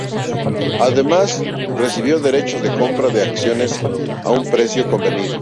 Además, recibió derechos de compra de acciones a un precio convenido.